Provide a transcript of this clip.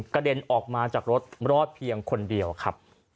เด็นออกมาจากรถรอดเพียงคนเดียวครับ